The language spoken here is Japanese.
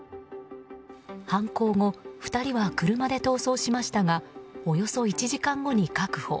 犯行後２人は車で逃走しましたがおよそ１時間後に確保。